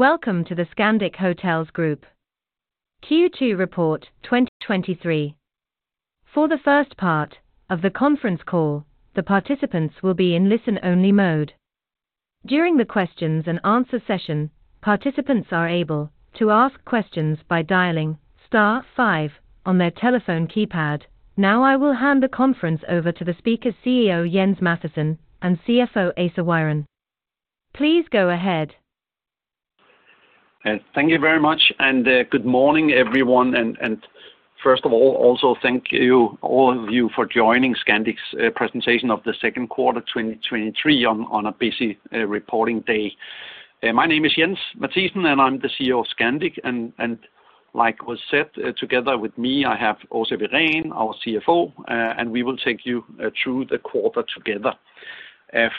Welcome to the Scandic Hotels Group. Q2 Report 2023. For the first part of the conference call, the participants will be in listen-only mode. During the questions and answer session, participants are able to ask questions by dialing star five on their telephone keypad. Now, I will hand the conference over to the speakers, CEO, Jens Mathiesen, and CFO, Åsa Wirén. Please go ahead. Thank you very much, and good morning, everyone. First of all, also thank you, all of you, for joining Scandic's presentation of the second quarter 2023 on a busy reporting day. My name is Jens Mathiesen, and I'm the CEO of Scandic, and like was said, together with me, I have Åsa Wirén, our CFO, and we will take you through the quarter together.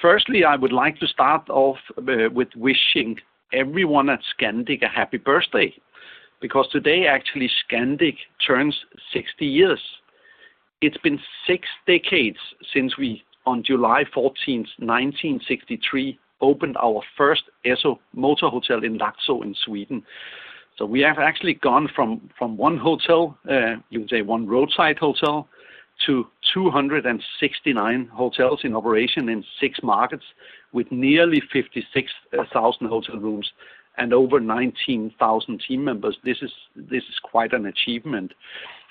Firstly, I would like to start off with wishing everyone at Scandic a happy birthday, because today, actually, Scandic turns 60 years. It's been six decades since we, on July 14, 1963, opened our first Esso Motor Hotel in Laxå, in Sweden. We have actually gone from 1 hotel, you would say 1 roadside hotel, to 269 hotels in operation in 6 markets, with nearly 56,000 hotel rooms and over 19,000 team members. This is quite an achievement.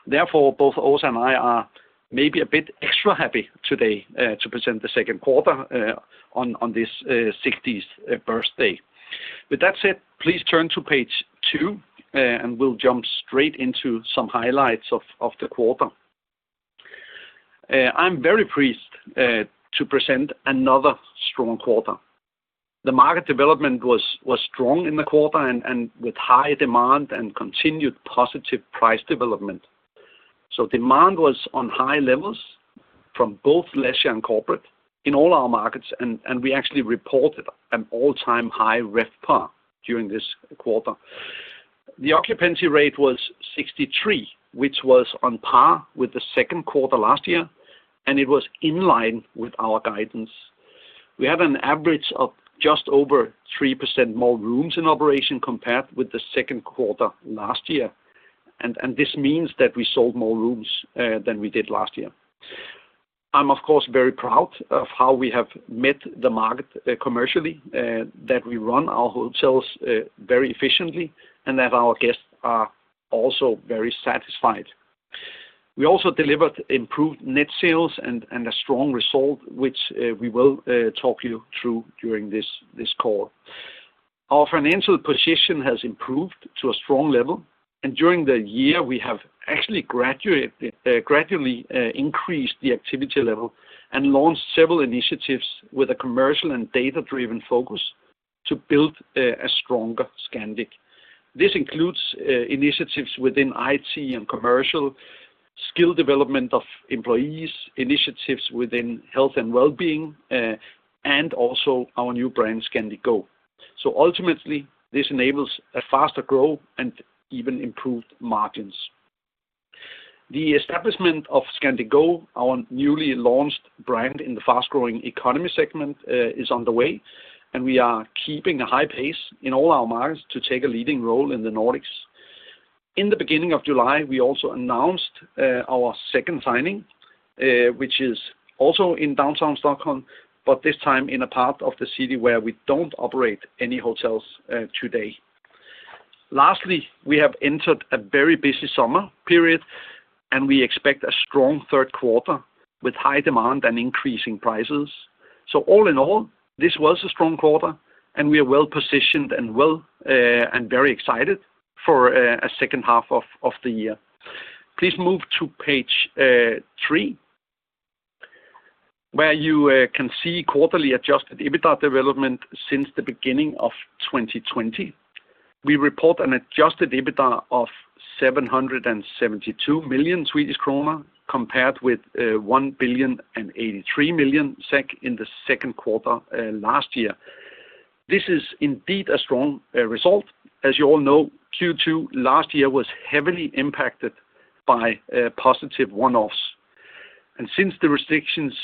Therefore, both Åsa and I are maybe a bit extra happy today to present the second quarter on this 60th birthday. With that said, please turn to page 2, and we'll jump straight into some highlights of the quarter. I'm very pleased to present another strong quarter. The market development was strong in the quarter and with high demand and continued positive price development. Demand was on high levels from both leisure and corporate in all our markets, and we actually reported an all-time high RevPAR during this quarter. The occupancy rate was 63, which was on par with the second quarter last year, and it was in line with our guidance. We have an average of just over 3% more rooms in operation compared with the second quarter last year. This means that we sold more rooms than we did last year. I'm, of course, very proud of how we have met the market commercially, that we run our hotels very efficiently, and that our guests are also very satisfied. We also delivered improved net sales and a strong result, which we will talk you through during this call. Our financial position has improved to a strong level, and during the year, we have actually gradually increased the activity level and launched several initiatives with a commercial and data-driven focus to build a stronger Scandic. This includes initiatives within IT and commercial, skill development of employees, initiatives within health and well-being, and also our new brand, Scandic Go. Ultimately, this enables a faster growth and even improved margins. The establishment of Scandic Go, our newly launched brand in the fast-growing economy segment, is on the way, and we are keeping a high pace in all our markets to take a leading role in the Nordics. In the beginning of July, we also announced our second signing, which is also in downtown Stockholm, but this time in a part of the city where we don't operate any hotels today. We have entered a very busy summer period. We expect a strong third quarter with high demand and increasing prices. All in all, this was a strong quarter. We are well positioned and very excited for a second half of the year. Please move to page 3, where you can see quarterly Adjusted EBITDA development since the beginning of 2020. We report an Adjusted EBITDA of 772 million Swedish krona, compared with 1,083 million SEK in the second quarter last year. This is indeed a strong result. As you all know, Q2 last year was heavily impacted by positive one-offs. Since the restrictions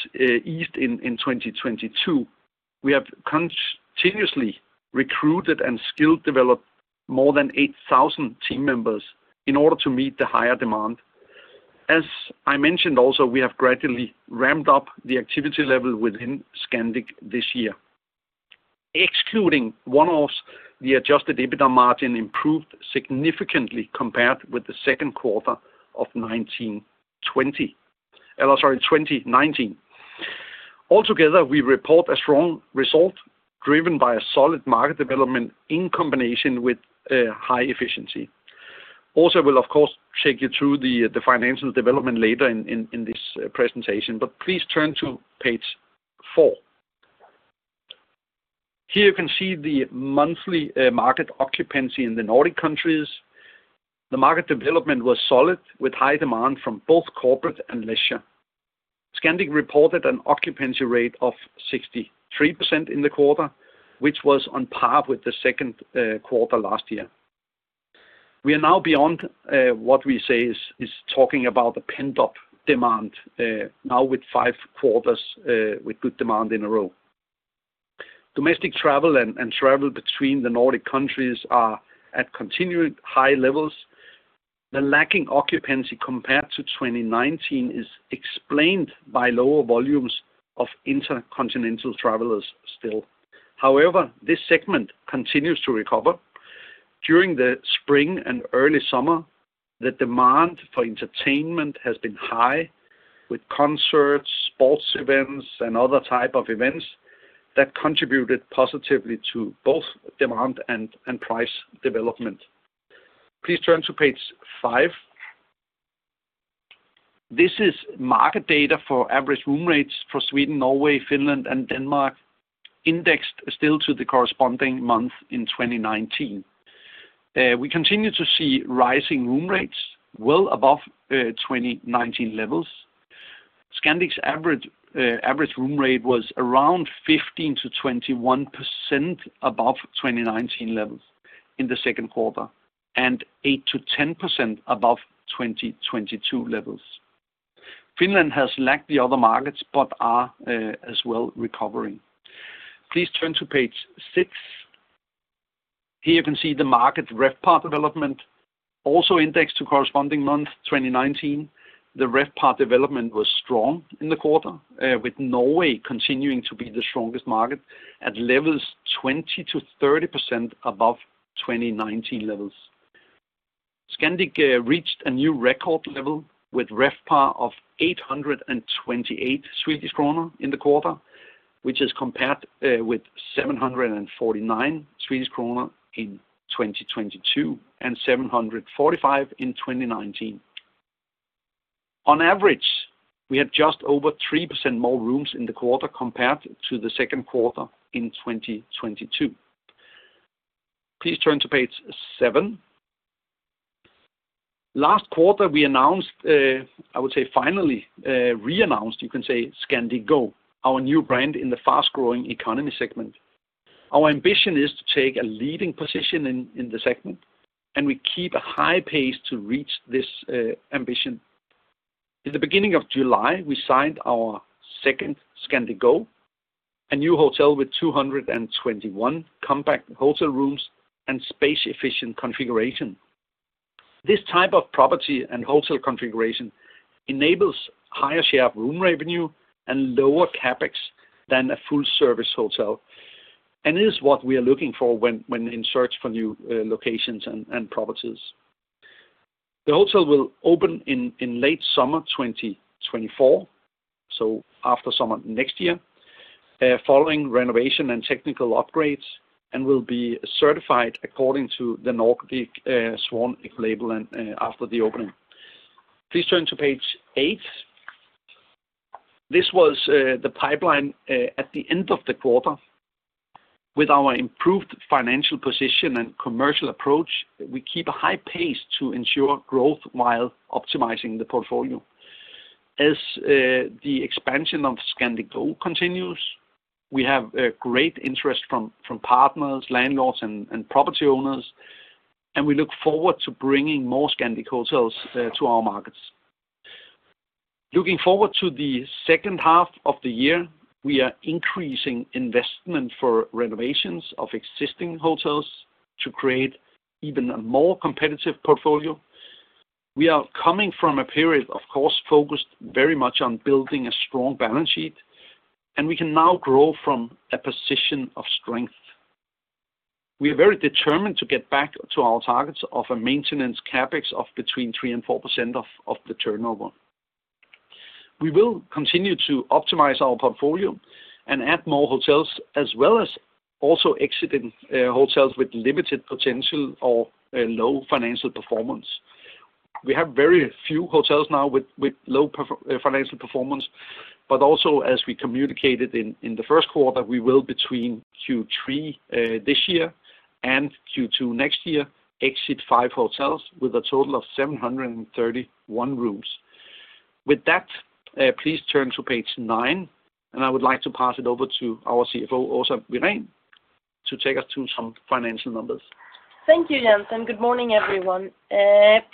eased in 2022, we have continuously recruited and skill-developed more than 8,000 team members in order to meet the higher demand. As I mentioned, also, we have gradually ramped up the activity level within Scandic this year. Excluding one-offs, the Adjusted EBITDA margin improved significantly compared with the second quarter of 1920, 2019. Altogether, we report a strong result, driven by a solid market development in combination with a high efficiency. Also, we'll, of course, take you through the financial development later in this presentation, but please turn to page 4. Here you can see the monthly market occupancy in the Nordic countries. The market development was solid, with high demand from both corporate and leisure. Scandic reported an occupancy rate of 63% in the quarter, which was on par with the second quarter last year. We are now beyond what we say is talking about the pent-up demand, now with 5 quarters with good demand in a row. Domestic travel and travel between the Nordic countries are at continued high levels. The lacking occupancy compared to 2019 is explained by lower volumes of intercontinental travelers still. However, this segment continues to recover. During the spring and early summer, the demand for entertainment has been high, with concerts, sports events, and other type of events that contributed positively to both demand and price development. Please turn to page 5. This is market data for average room rates for Sweden, Norway, Finland and Denmark, indexed still to the corresponding month in 2019. We continue to see rising room rates well above 2019 levels. Scandic's average average room rate was around 15%-21% above 2019 levels in the second quarter, and 8%-10% above 2022 levels. Finland has lacked the other markets, but are as well recovering. Please turn to page 6. Here you can see the market RevPAR development, also indexed to corresponding month, 2019. The RevPAR development was strong in the quarter, with Norway continuing to be the strongest market at levels 20%-30% above 2019 levels. Scandic reached a new record level with RevPAR of 828 Swedish kronor in the quarter, which is compared with 749 Swedish kronor in 2022, and 745 in 2019. On average, we had just over 3% more rooms in the quarter compared to the second quarter 2022. Please turn to page 7. Last quarter, we announced, I would say finally, reannounced, you can say, Scandic Go, our new brand in the fast-growing economy segment. Our ambition is to take a leading position in the segment, and we keep a high pace to reach this ambition. In the beginning of July, we signed our second Scandic Go, a new hotel with 221 compact hotel rooms and space-efficient configuration. This type of property and hotel configuration enables higher share of room revenue and lower CapEx than a full-service hotel, and it is what we are looking for when in search for new locations and properties. The hotel will open in late summer 2024, so after summer next year, following renovation and technical upgrades, and will be certified according to the Nordic Swan label. After the opening. Please turn to page 8. This was the pipeline at the end of the quarter. With our improved financial position and commercial approach, we keep a high pace to ensure growth while optimizing the portfolio. As the expansion of Scandic Go continues, we have a great interest from partners, landlords and property owners. We look forward to bringing more Scandic hotels to our markets. Looking forward to the second half of the year, we are increasing investment for renovations of existing hotels to create even a more competitive portfolio. We are coming from a period, of course, focused very much on building a strong balance sheet. We can now grow from a position of strength. We are very determined to get back to our targets of a maintenance CapEx of between 3% and 4% of the turnover. We will continue to optimize our portfolio and add more hotels, as well as also exiting hotels with limited potential or low financial performance. We have very few hotels now with low financial performance. Also, as we communicated in the first quarter, we will between Q3 this year and Q2 next year, exit five hotels with a total of 731 rooms. With that, please turn to page 9. I would like to pass it over to our CFO, Åsa Wirén, to take us through some financial numbers. Thank you, Jens, and good morning, everyone.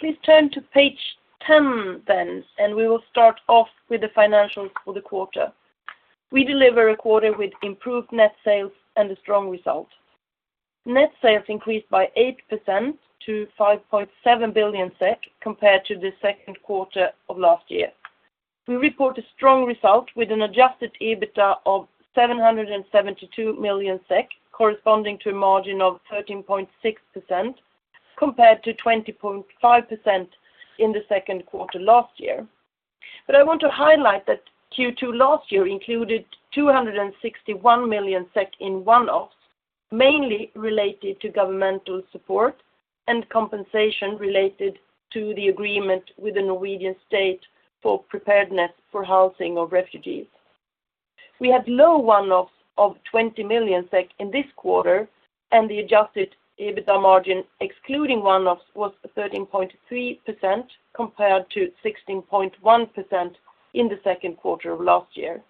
Please turn to page 10 then, and we will start off with the financials for the quarter. We deliver a quarter with improved net sales and a strong result. Net sales increased by 8% to 5.7 billion SEK, compared to the second quarter of last year. We report a strong result with an Adjusted EBITDA of 772 million SEK, corresponding to a margin of 13.6%, compared to 20.5% in the second quarter last year. I want to highlight that Q2 last year included 261 million SEK in one-offs, mainly related to governmental support and compensation related to the agreement with the Norwegian state for preparedness for housing of refugees. We had low one-offs of 20 million SEK in this quarter, and the Adjusted EBITDA margin, excluding one-offs, was 13.3%, compared to 16.1% in the second quarter of last year.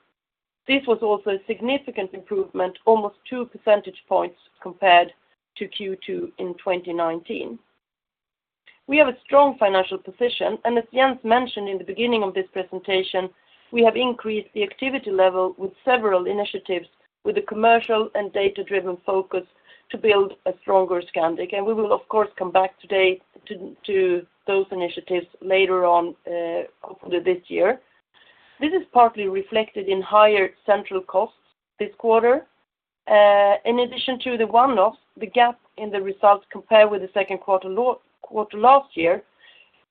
This was also a significant improvement, almost two percentage points compared to Q2 in 2019. We have a strong financial position, and as Jens mentioned in the beginning of this presentation, we have increased the activity level with several initiatives, with a commercial and data-driven focus to build a stronger Scandic. We will, of course, come back today to those initiatives later on over this year. This is partly reflected in higher central costs this quarter. In addition to the one-offs, the gap in the results compared with the second quarter last year,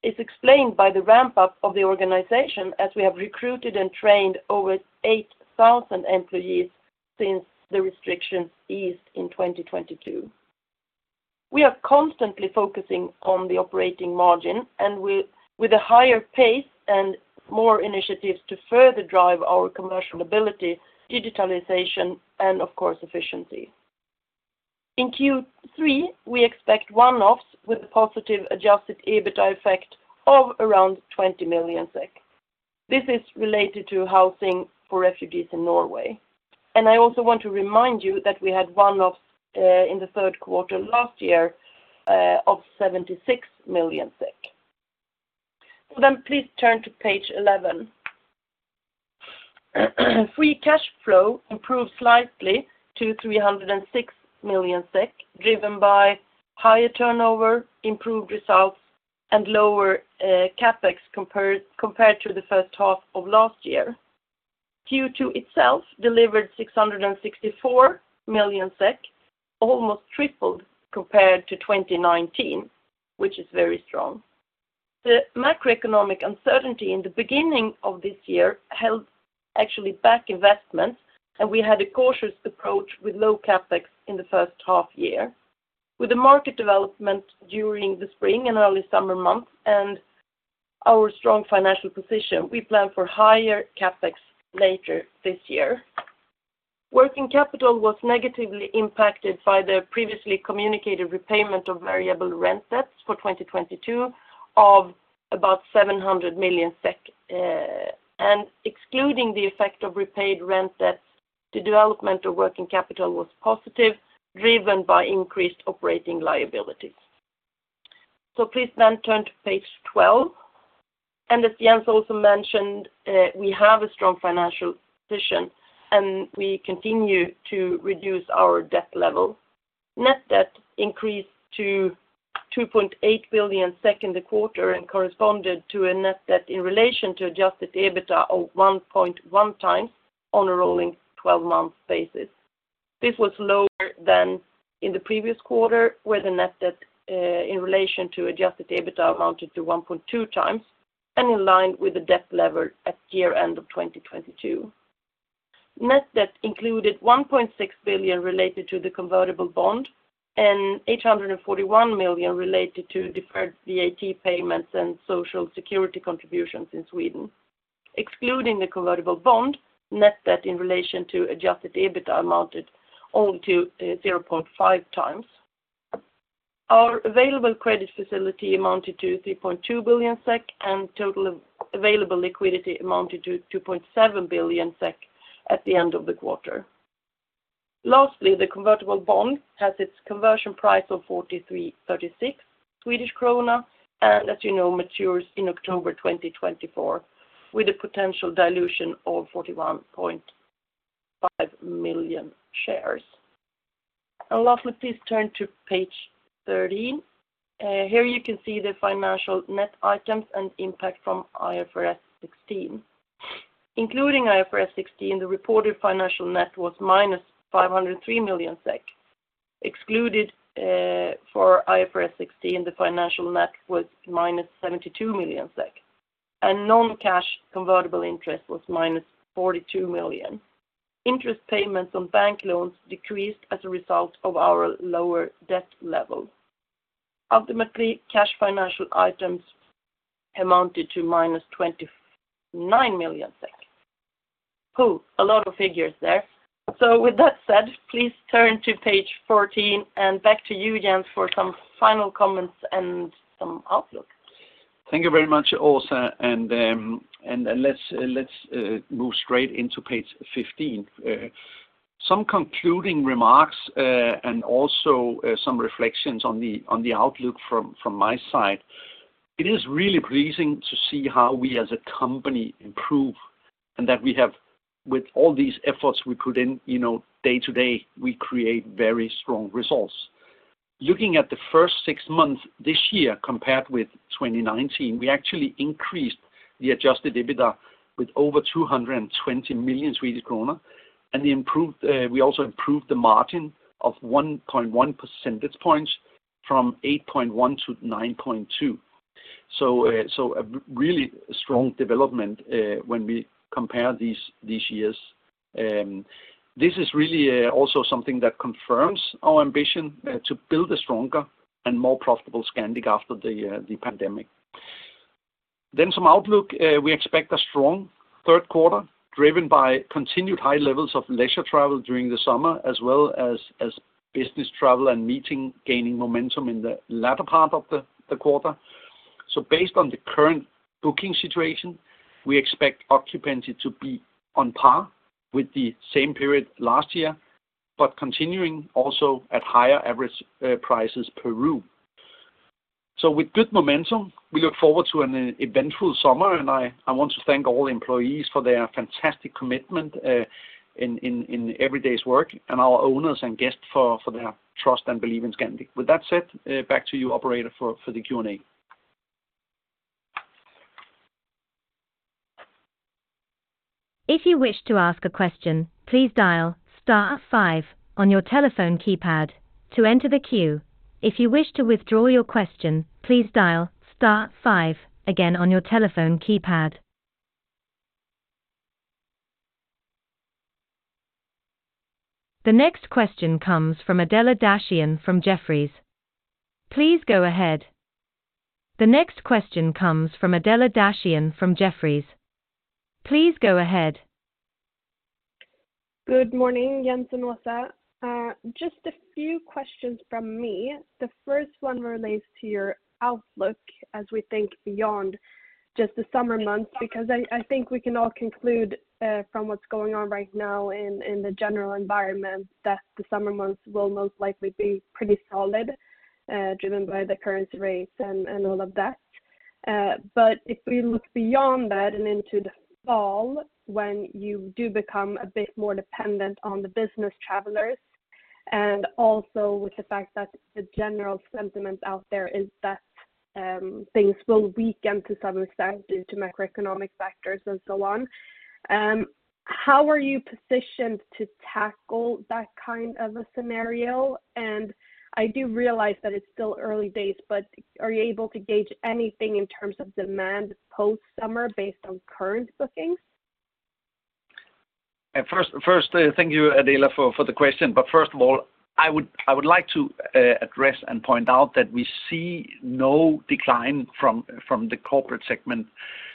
is explained by the ramp-up of the organization, as we have recruited and trained over 8,000 employees since the restrictions eased in 2022. We are constantly focusing on the operating margin, and with a higher pace and more initiatives to further drive our commercial ability, digitalization, and of course, efficiency. In Q3, we expect one-offs with a positive Adjusted EBITDA effect of around 20 million SEK. This is related to housing for refugees in Norway. I also want to remind you that we had one-offs in the third quarter last year, of 76 million. Please turn to page 11. Free cash flow improved slightly to 306 million SEK, driven by higher turnover, improved results, and lower CapEx compared to the first half of last year. Q2 itself delivered 664 million SEK, almost tripled compared to 2019, which is very strong. The macroeconomic uncertainty in the beginning of this year held actually back investments, and we had a cautious approach with low CapEx in the first half year. With the market development during the spring and early summer months and our strong financial position, we plan for higher CapEx later this year. Working capital was negatively impacted by the previously communicated repayment of variable rent debts for 2022 of about 700 million SEK. Excluding the effect of repaid rent debts, the development of working capital was positive, driven by increased operating liabilities. Please then turn to page 12. As Jens also mentioned, we have a strong financial position, and we continue to reduce our debt level. Net debt increased to 2.8 billion in the quarter and corresponded to a net debt in relation to Adjusted EBITDA of 1.1x on a rolling 12-month basis. This was lower than in the previous quarter, where the net debt in relation to Adjusted EBITDA amounted to 1.2x and in line with the debt level at year-end of 2022. Net debt included 1.6 billion related to the convertible bond and 841 million related to deferred VAT payments and Social Security contributions in Sweden. Excluding the convertible bond, net debt in relation to Adjusted EBITDA amounted only to 0.5x. Our available credit facility amounted to 3.2 billion SEK, total available liquidity amounted to 2.7 billion SEK at the end of the quarter. The convertible bond has its conversion price of 43.36 Swedish krona, as you know, matures in October 2024, with a potential dilution of 41.5 million shares. Please turn to page 13. Here you can see the financial net items and impact from IFRS 16. Including IFRS 16, the reported financial net was minus 503 million SEK. Excluded for IFRS 16, the financial net was minus 72 million SEK, non-cash convertible interest was minus 42 million. Interest payments on bank loans decreased as a result of our lower debt level. Ultimately, cash financial items amounted to minus 29 million. Phew! A lot of figures there. With that said, please turn to page 14, and back to you, Jens, for some final comments and some outlook. Thank you very much, Åsa. Let's move straight into page 15. Some concluding remarks, and also, some reflections on the outlook from my side. It is really pleasing to see how we as a company improve and that we have, with all these efforts we put in, you know, day to day, we create very strong results. Looking at the first six months this year compared with 2019, we actually increased the Adjusted EBITDA with over 220 million Swedish krona. The improved, we also improved the margin of 1.1 percentage points from 8.1-9.2. Really strong development when we compare these years. This is really also something that confirms our ambition to build a stronger and more profitable Scandic after the pandemic. Some outlook, we expect a strong third quarter, driven by continued high levels of leisure travel during the summer, as well as business travel and meeting, gaining momentum in the latter part of the quarter. Based on the current booking situation, we expect occupancy to be on par with the same period last year, but continuing also at higher average prices per room. With good momentum, we look forward to an eventful summer, and I want to thank all the employees for their fantastic commitment in every day's work, and our owners and guests for their trust and belief in Scandic. With that said, back to you, operator, for the Q&A. If you wish to ask a question, please dial star five on your telephone keypad to enter the queue. If you wish to withdraw your question, please dial star five again on your telephone keypad. The next question comes from Adela Dashian from Jefferies. Please go ahead. Good morning, Jens and Lisa. Just a few questions from me. The first one relates to your outlook as we think beyond just the summer months, because I think we can all conclude from what's going on right now in the general environment, that the summer months will most likely be pretty solid, driven by the current rates and all of that. But if we look beyond that and into the fall, when you do become a bit more dependent on the business travelers, and also with the fact that the general sentiment out there is that things will weaken to some extent due to macroeconomic factors and so on. How are you positioned to tackle that kind of a scenario? I do realize that it's still early days, but are you able to gauge anything in terms of demand post-summer based on current bookings? First, thank you, Adela, for the question. First of all, I would like to address and point out that we see no decline from the corporate segment.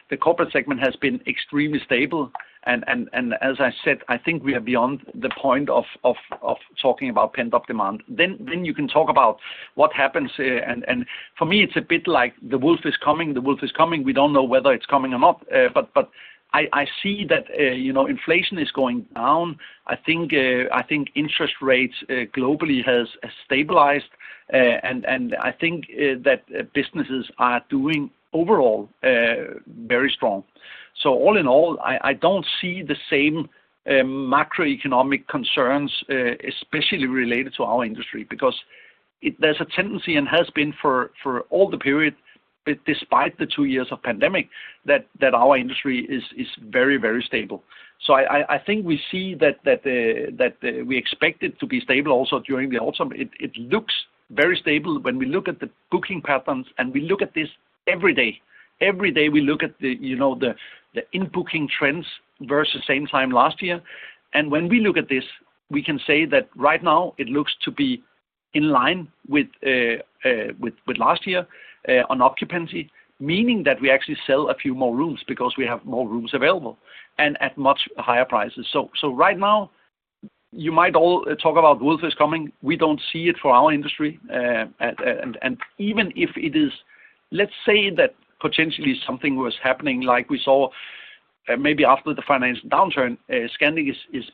The corporate segment has been extremely stable, and as I said, I think we are beyond the point of talking about pent-up demand. You can talk about what happens, and for me, it's a bit like the wolf is coming, the wolf is coming. We don't know whether it's coming or not, but I see that, you know, inflation is going down. I think interest rates globally has stabilized, and I think that businesses are doing overall very strong. All in all, I don't see the same macroeconomic concerns especially related to our industry. There's a tendency, and has been for all the period, but despite the two years of pandemic, that our industry is very stable. I think we see that we expect it to be stable also during the autumn. It looks very stable when we look at the booking patterns, and we look at this every day. Every day, we look at the, you know, the in-booking trends versus same time last year. When we look at this, we can say that right now it looks to be in line with last year on occupancy. Meaning that we actually sell a few more rooms because we have more rooms available, and at much higher prices. Right now, you might all talk about wolf is coming. We don't see it for our industry. Even if it is, let's say that potentially something was happening, like we saw, maybe after the financial downturn, Scandic is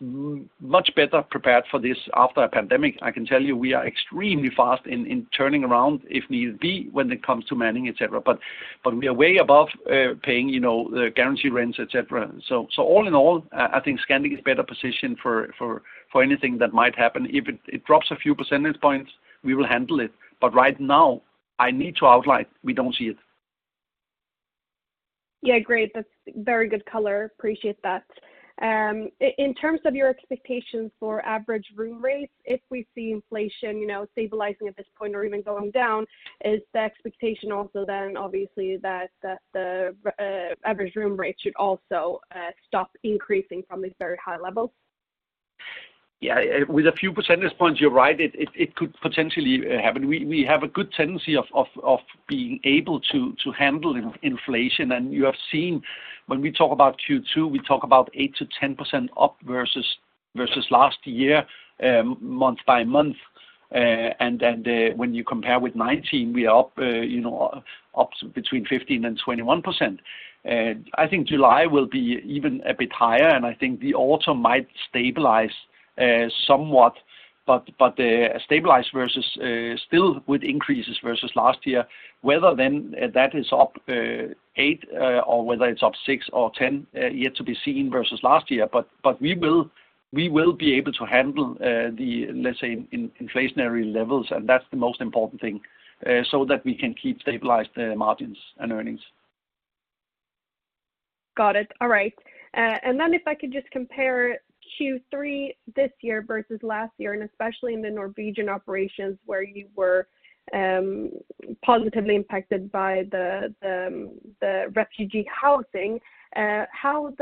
much better prepared for this after a pandemic. I can tell you, we are extremely fast in turning around, if need be, when it comes to manning, et cetera. We are way above, paying, you know, the guarantee rents, et cetera. All in all, I think Scandic is better positioned for anything that might happen. If it drops a few percentage points, we will handle it. Right now, I need to outline, we don't see it. Yeah, great. That's very good color. Appreciate that. In terms of your expectations for average room rates, if we see inflation, you know, stabilizing at this point or even going down, is the expectation also then obviously that the average room rate should also stop increasing from these very high levels? Yeah, with a few percentage points, you're right. It could potentially happen. We have a good tendency of being able to handle inflation. You have seen when we talk about Q2, we talk about 8%-10% up versus last year, month-by-month. Then, when you compare with 2019, we are up, you know, up between 15% and 21%. I think July will be even a bit higher, and I think the autumn might stabilize somewhat, but stabilize versus still with increases versus last year. Whether then that is up 8, or whether it's up 6 or 10, yet to be seen versus last year. We will be able to handle, the, let's say, inflationary levels, and that's the most important thing, so that we can keep stabilized, margins and earnings. Got it. All right. If I could just compare Q3 this year versus last year, especially in the Norwegian operations, where you were, positively impacted by the refugee housing. What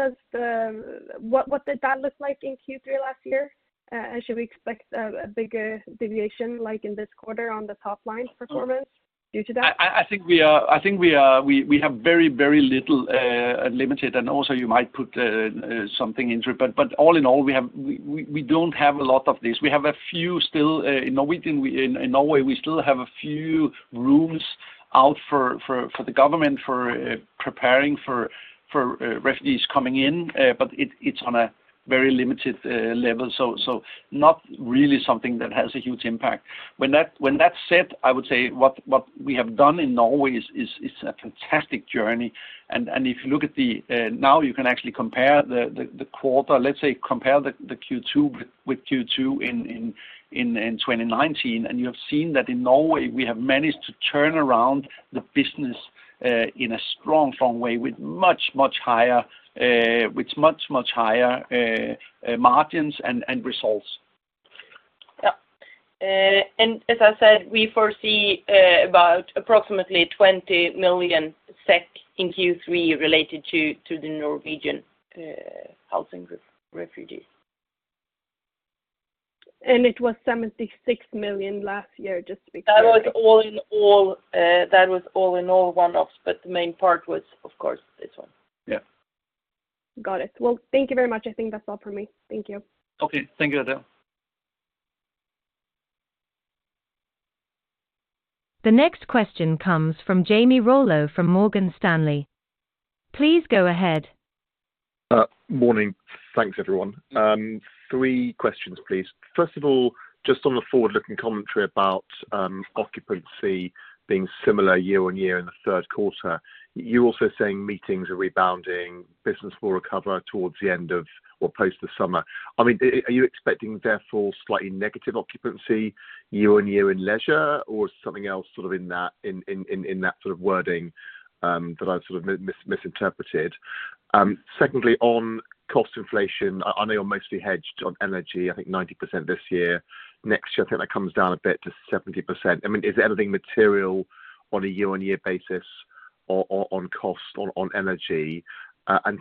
did that look like in Q3 last year? Should we expect a bigger deviation, like in this quarter, on the top line performance due to that? I think we are we have very little limited, and also you might put something into it. All in all, we don't have a lot of this. We have a few still in Norwegian, in Norway, we still have a few rooms out for the government, for preparing for refugees coming in. It's on a very limited level, so not really something that has a huge impact. When that's said, I would say what we have done in Norway is a fantastic journey. If you look at the. Now you can actually compare the quarter. Let's say compare the Q2 with Q2 in 2019. You have seen that in Norway, we have managed to turn around the business in a strong way, with much higher margins and results. As I said, we foresee, about approximately 20 million SEK in Q3 related to the Norwegian, housing refugees. It was 76 million last year, just to be clear. That was all in all one-offs. The main part was, of course, this one. Yeah. Got it. Well, thank you very much. I think that's all for me. Thank you. Okay, thank you, Adele. The next question comes from Jamie Rollo from Morgan Stanley. Please go ahead. Morning. Thanks, everyone. 3 questions, please. First of all, just on the forward-looking commentary about occupancy being similar year-on-year in the third quarter, you're also saying meetings are rebounding, business will recover towards the end of or post the summer. I mean, are you expecting therefore slightly negative occupancy year-on-year in leisure, or something else, sort of in that, in that sort of wording that I've sort of misinterpreted? Secondly, on cost inflation, I know you're mostly hedged on energy, I think 90% this year. Next year, I think that comes down a bit to 70%. I mean, is there anything material on a year-on-year basis or on cost on energy?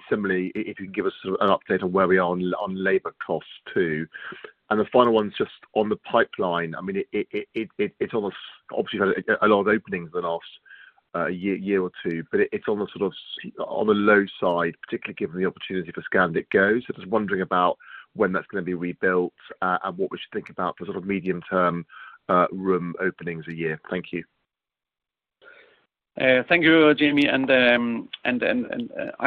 Similarly, if you give us an update on where we are on labor costs too. The final one, just on the pipeline, I mean, it's almost obviously had a lot of openings in the last year or two, but it's on the low side, particularly given the opportunity for Scandic Go. Just wondering about when that's going to be rebuilt, and what we should think about for sort of medium-term room openings a year. Thank you. Thank you, Jamie. I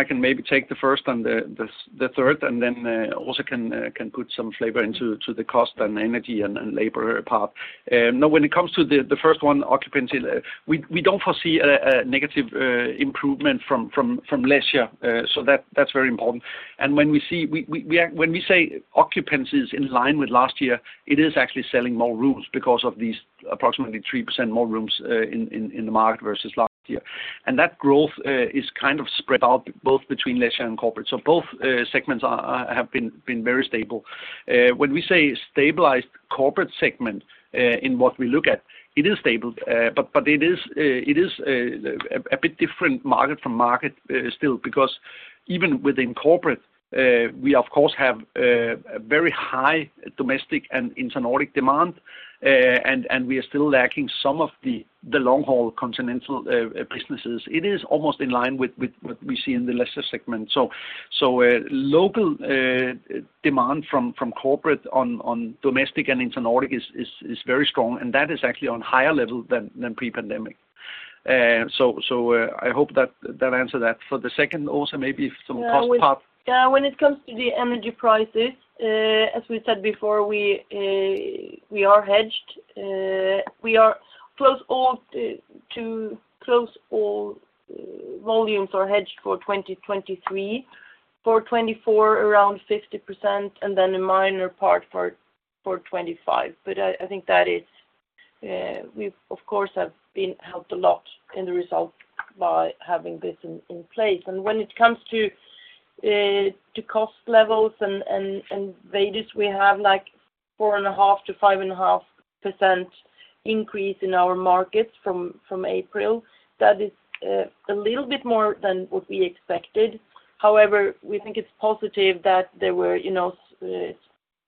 can maybe take the first and the third, and then also can put some flavor into the cost and energy and labor part. Now, when it comes to the first one, occupancy, we don't foresee a negative improvement from leisure. That's very important. When we say occupancy is in line with last year, it is actually selling more rooms because of these approximately 3% more rooms in the market versus last year. That growth is kind of spread out both between leisure and corporate. Both segments are have been very stable. When we say stabilized corporate segment, in what we look at, it is stable, but it is a bit different market from market still, because even within corporate, we of course have a very high domestic and intra-Nordic demand, and we are still lacking some of the long-haul continental businesses. It is almost in line with what we see in the leisure segment. Local demand from corporate on domestic and intra-Nordic is very strong, and that is actually on higher level than pre-pandemic. I hope that answered that. For the second also, maybe some cost part. When it comes to the energy prices, as we said before, we are hedged. We are close all volumes are hedged for 2023, for 2024, around 50%, and then a minor part for 2025. I think that is, we of course, have been helped a lot in the result by having this in place. When it comes to cost levels and wages, we have like 4.5%-5.5% increase in our markets from April. That is a little bit more than what we expected. However, we think it's positive that there were, you know,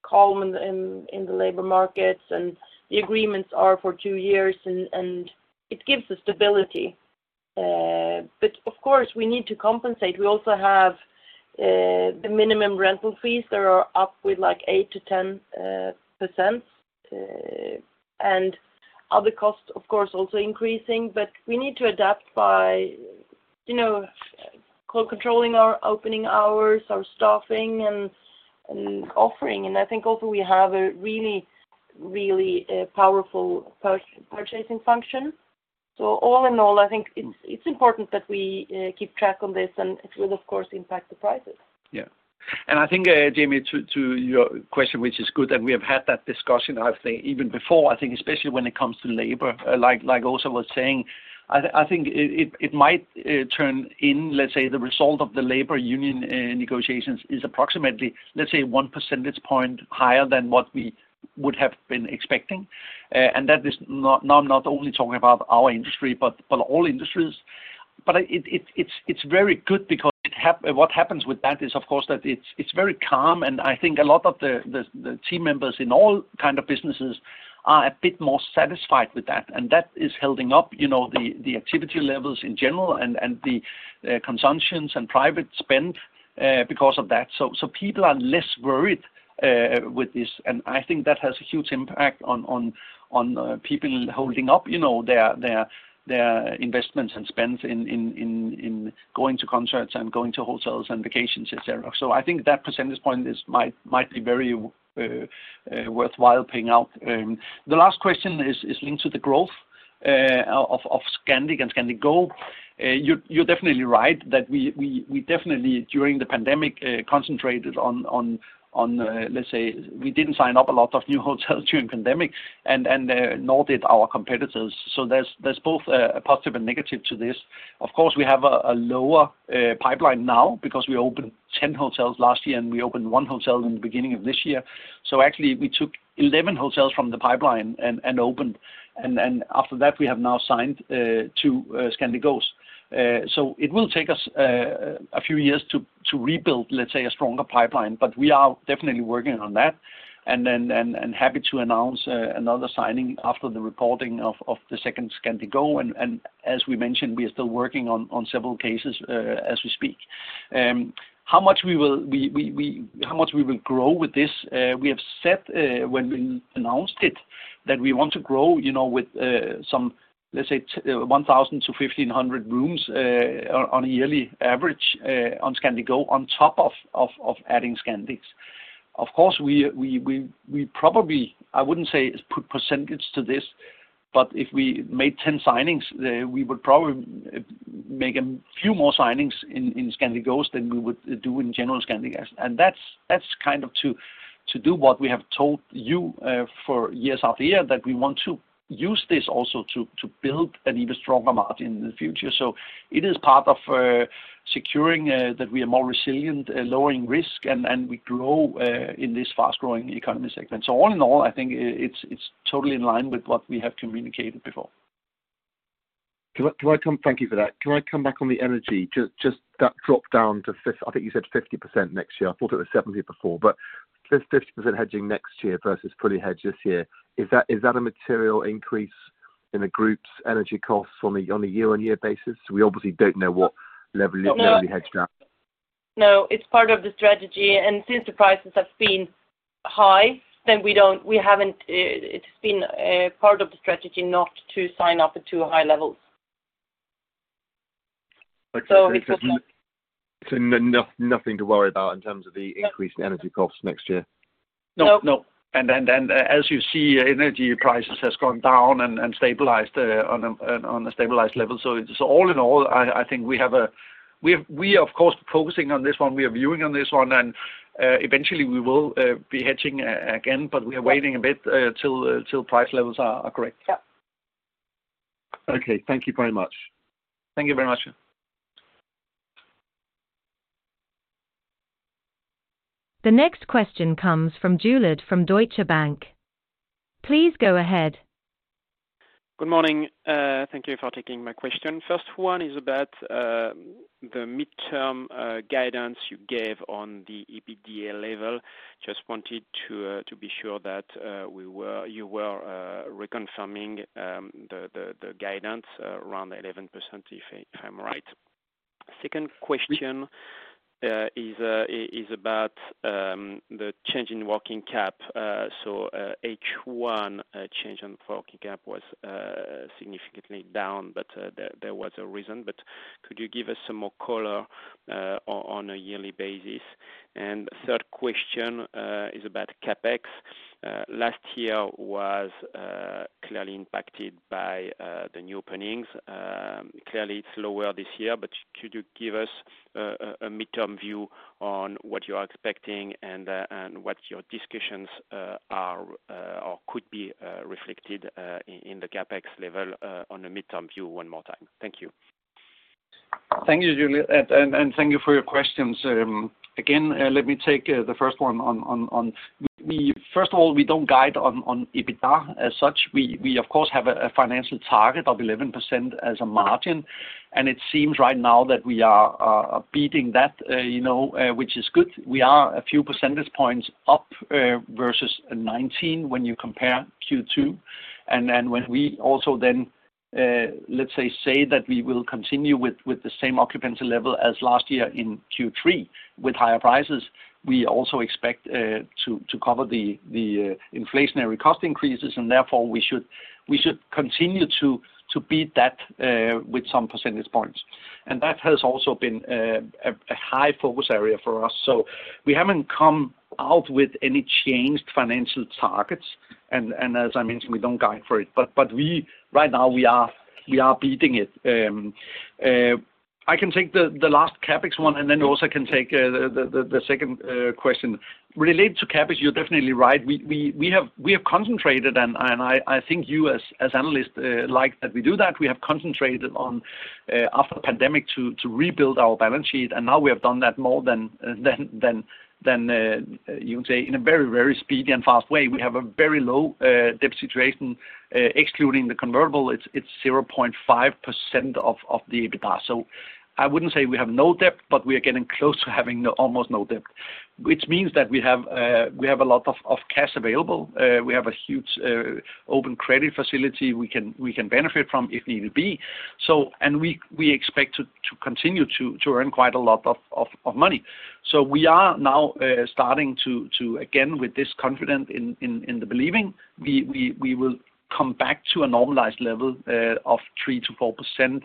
calm in the labor markets, and the agreements are for two years, and it gives us stability. Of course, we need to compensate. We also have the minimum rental fees that are up with, like, 8%-10%, and other costs, of course, also increasing. We need to adapt by, you know, controlling our opening hours, our staffing, and offering. I think also we have a really powerful purchasing function. All in all, I think it's important that we keep track on this, and it will, of course, impact the prices. Yeah. I think Jamie, to your question, which is good, and we have had that discussion, I think, even before, I think especially when it comes to labor, like Åsa was saying, I think it might turn in, let's say the result of the labor union negotiations is approximately, let's say, 1 percentage point higher than what we would have been expecting. That is not, now I'm not only talking about our industry, but all industries. It's very good because What happens with that is, of course, that it's very calm, and I think a lot of the team members in all kind of businesses. are a bit more satisfied with that, and that is holding up, you know, the activity levels in general and the consumptions and private spend because of that. People are less worried with this, and I think that has a huge impact on people holding up, you know, their investments and spends in going to concerts and going to hotels and vacations, et cetera. I think that percentage point is, might be very worthwhile paying out. The last question is linked to the growth of Scandic and Scandic Go. You're definitely right that we definitely during the pandemic concentrated on, let's say we didn't sign up a lot of new hotels during pandemic, and nor did our competitors. There's both a positive and negative to this. Of course, we have a lower pipeline now because we opened 10 hotels last year, and we opened 1 hotel in the beginning of this year. Actually we took 11 hotels from the pipeline and opened, and then after that, we have now signed 2 Scandic Gos. It will take us a few years to rebuild, let's say, a stronger pipeline, but we are definitely working on that. Then, happy to announce another signing after the recording of the second Scandic Go. As we mentioned, we are still working on several cases as we speak. How much we will grow with this? We have said, when we announced it, that we want to grow, you know, with some, let's say, 1,000-1,500 rooms, on a yearly average, on Scandic Go, on top of adding Scandic. Of course, we probably, I wouldn't say put percentage to this, but if we made 10 signings, we would probably make a few more signings in Scandic Gos than we would do in general Scandic. That's kind of to do what we have told you for years out the year, that we want to use this also to build an even stronger margin in the future. It is part of securing that we are more resilient, lowering risk, and we grow in this fast-growing economy segment. All in all, I think it's totally in line with what we have communicated before. Thank you for that. Can I come back on the energy? Just that drop down to 5th, I think you said 50% next year. I thought it was 70 before, but there's 50% hedging next year versus fully hedged this year. Is that a material increase in the group's energy costs on a year-on-year basis? We obviously don't know what level it. No. Level hedged at. No, it's part of the strategy, and since the prices have been high, then we haven't, it's been part of the strategy not to sign up at too high levels. It's just that. nothing to worry about in terms of No Increased energy costs next year? No. No. Then, as you see, energy prices has gone down and stabilized on a stabilized level. All in all, I think we have a, we are, of course, focusing on this one. We are viewing on this one, and eventually we will be hedging again, but we are waiting a bit till price levels are correct. Yeah. Okay. Thank you very much. Thank you very much. The next question comes from Juillard, from Deutsche Bank. Please go ahead. Good morning, thank you for taking my question. First one is about the midterm guidance you gave on the EBITDA level. Just wanted to be sure that you were reconfirming the guidance around 11%, if I'm right. Second question is about the change in working cap. H1 change on working cap was significantly down, but there was a reason. Could you give us some more color on a yearly basis? Third question is about CapEx. Last year was clearly impacted by the new openings. Clearly, it's lower this year, but could you give us a midterm view on what you are expecting and what your discussions are or could be reflected in the CapEx level on a midterm view one more time? Thank you. Thank you, Juilliard, thank you for your questions. Again, let me take the first one on. We, first of all, we don't guide on EBITDA as such. We, of course, have a financial target of 11% as a margin, it seems right now that we are beating that, you know, which is good. We are a few percentage points up versus 2019 when you compare Q2. When we also then, let's say, that we will continue with the same occupancy level as last year in Q3, with higher prices, we also expect to cover the inflationary cost increases, and therefore we should continue to beat that with some percentage points. That has also been a high focus area for us. We haven't come out with any changed financial targets, and as I mentioned, we don't guide for it. We, right now, we are beating it. I can take the last CapEx one, and then also can take the second question. Related to CapEx, you're definitely right. We have concentrated, and I think you as analysts like that we do that. We have concentrated on after the pandemic, to rebuild our balance sheet, and now we have done that more than you can say, in a very, very speedy and fast way. We have a very low debt situation. Excluding the convertible, it's 0.5% of the EBITDA. I wouldn't say we have no debt, but we are getting close to having no, almost no debt, which means that we have a lot of cash available. We have a huge open credit facility we can benefit from if needed be. We expect to continue to earn quite a lot of money. We are now starting to again, with this confident in the believing, we will come back to a normalized level of 3%-4%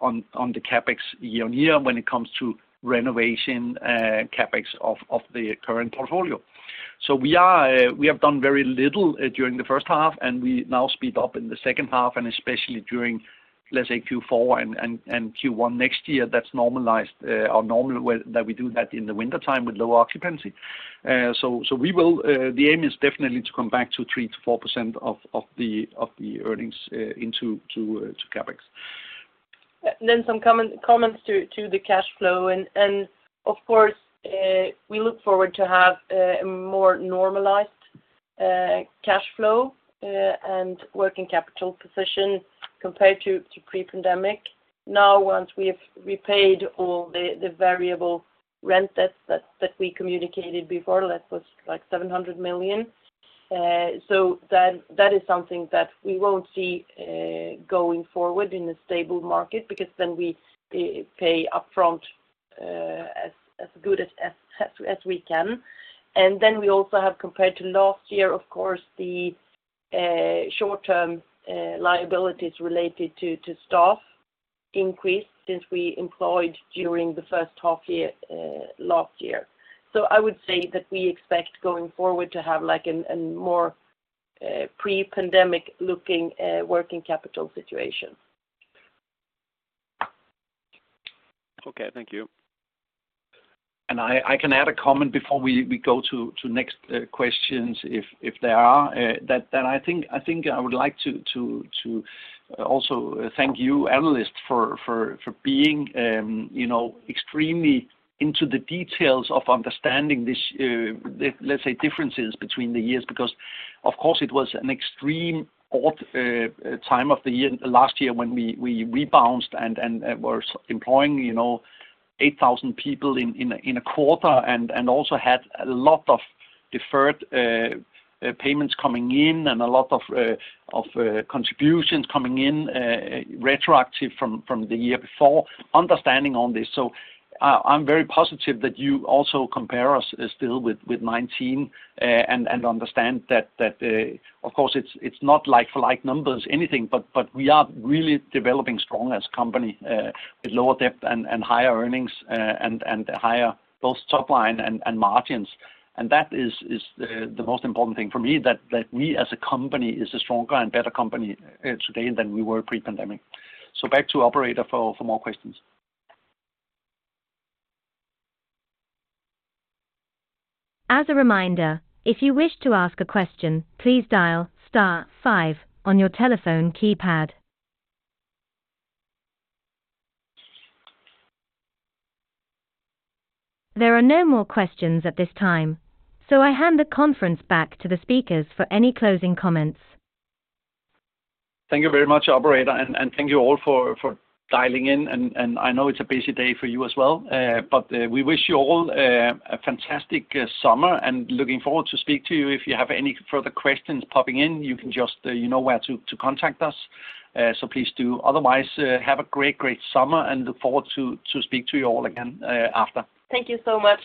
on the CapEx year-on-year when it comes to renovation CapEx of the current portfolio. We are, we have done very little during the first half, and we now speed up in the second half, and especially during, let's say, Q4 and Q1 next year. That's normalized our normal way that we do that in the wintertime with low occupancy. We will, the aim is definitely to come back to 3%-4% of the earnings into to CapEx. Then some comment, comments to the cash flow. Of course, we look forward to have a more normalized cash flow and working capital position compared to pre-pandemic. Now, once we have repaid all the variable rent debts that we communicated before, that was like 700 million. That is something that we won't see going forward in a stable market, because then we pay upfront as good as we can. Then we also have, compared to last year, of course, the short-term liabilities related to staff increased since we employed during the first half year last year. I would say that we expect going forward to have like a more pre-pandemic looking working capital situation. Okay, thank you. I can add a comment before we go to next questions, if there are. That I think I would like to also thank you, analysts, for being, you know, extremely into the details of understanding this, let's say, differences between the years. Of course, it was an extreme odd time of the year last year when we bounced and were employing, you know, 8,000 people in a quarter and also had a lot of deferred payments coming in and a lot of contributions coming in, retroactive from the year before, understanding on this. I'm very positive that you also compare us still with 19, and understand that, of course, it's not like for like numbers, anything, but we are really developing strong as a company, with lower debt and higher earnings, and higher both top line and margins. That is the most important thing for me, that we, as a company, is a stronger and better company today than we were pre-pandemic. Back to operator for more questions. As a reminder, if you wish to ask a question, please dial star five on your telephone keypad. There are no more questions at this time, so I hand the conference back to the speakers for any closing comments. Thank you very much, operator, and thank you all for dialing in. I know it's a busy day for you as well, but we wish you all a fantastic summer, and looking forward to speak to you. If you have any further questions popping in, you can just, you know where to contact us, so please do. Otherwise, have a great summer, and look forward to speak to you all again after. Thank you so much.